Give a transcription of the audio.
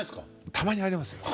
たまにありますよ。